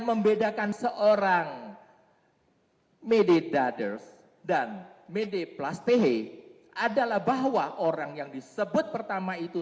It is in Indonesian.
perbedaan seorang mediators dan mediplastik adalah bahwa orang yang disebut pertama itu